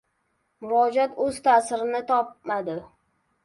Murojaat o‘z tasdig‘ini topmadi